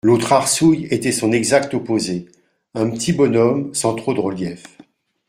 L’autre arsouille était son exact opposé: un petit bonhomme sans trop de relief